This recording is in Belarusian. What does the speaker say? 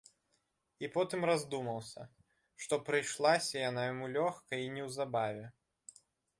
І потым раздумаўся, што прыйшлася яна яму лёгка й неўзабаве.